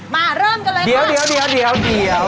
มาเริ่มกันเลยค่ะ